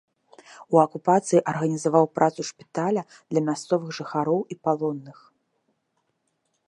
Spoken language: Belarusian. У акупацыі арганізаваў працу шпіталя для мясцовых жыхароў і палонных.